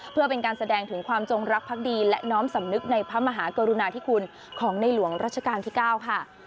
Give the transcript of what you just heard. เพื่อเป็นการแสดงถึงความจงรักภักดีและน้อมสำนึกในพระมหากรุณาธิคุณของในหลวงรัชกาลที่๙ค่ะ